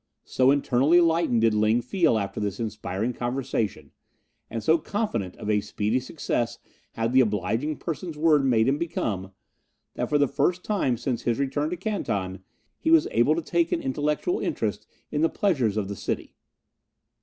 So internally lightened did Ling feel after this inspiring conversation, and so confident of a speedy success had the obliging person's words made him become, that for the first time since his return to Canton he was able to take an intellectual interest in the pleasures of the city.